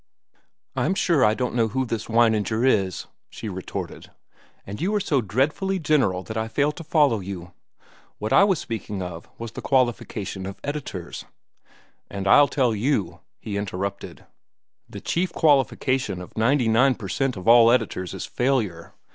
"I'm sure I don't know who this Weininger is," she retorted. "And you are so dreadfully general that I fail to follow you. What I was speaking of was the qualification of editors—" "And I'll tell you," he interrupted. "The chief qualification of ninety nine per cent of all editors is failure.